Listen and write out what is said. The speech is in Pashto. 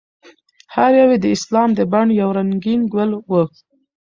هر یو یې د اسلام د بڼ یو رنګین ګل و.